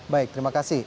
baik terima kasih